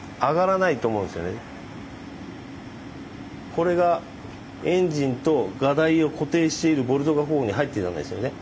これがエンジンと架台を固定しているボルトがこういうふうに入っていたんですよね。